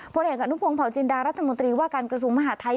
ผลเอกอนุพงศาวจินดารัฐมนตรีว่าการกระทรวงมหาทัย